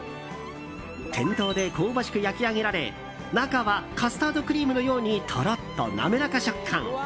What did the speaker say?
店頭で香ばしく焼き上げられ中はカスタードクリームのようにとろっと滑らか食感。